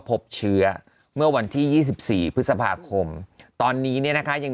พบเชื้อเมื่อวันที่๒๔พฤษภาคมตอนนี้เนี่ยนะคะยัง